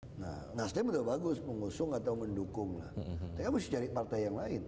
hai nah ngetik udah bagus mengusung atau mendukungnya tapi cari partai yang lain